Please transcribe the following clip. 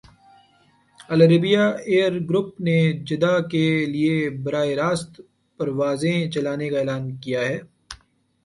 العربیہ air group نے Jeddah کے لیے براہ راست پروازیں چلانے کا اعلان کیا ہے